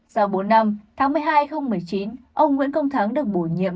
sau bốn năm tháng một mươi hai nghìn một mươi chín ông nguyễn công thắng được bổ nhiệm